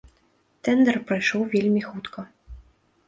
Тэндар прайшоў вельмі хутка.